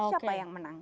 siapa yang menang